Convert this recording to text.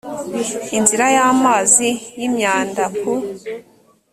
inzira y amazi y imyamda ku